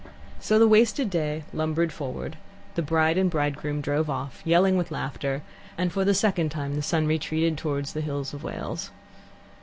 So the wasted day lumbered forward, the bride and bridegroom drove off, yelling with laughter, and for the second time the sun retreated towards the hills of Wales.